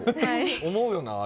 思うよな、あれ。